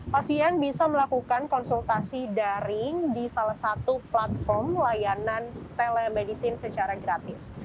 pasien bisa melakukan konsultasi daring di salah satu platform layanan telemedicine secara gratis